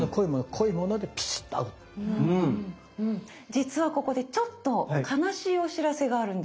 実はここでちょっと悲しいお知らせがあるんです。